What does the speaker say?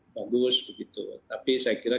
bagus begitu tapi saya kira